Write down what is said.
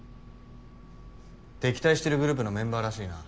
敵対してるグループのメンバーらしいな。